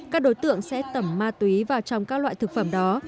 các đối tượng sẽ tẩm ma túy vào trong các loại thực phẩm đó